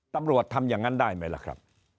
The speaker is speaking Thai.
ตำรวจทำอย่างนั้นได้ไหมล่ะครับ